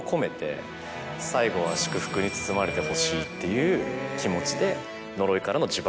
最後は。に包まれてほしいっていう気持ちで。